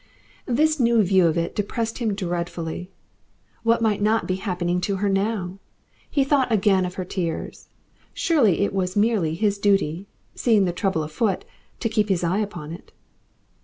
This new view of it depressed him dreadfully. What might not be happening to her now? He thought again of her tears. Surely it was merely his duty, seeing the trouble afoot, to keep his eye upon it.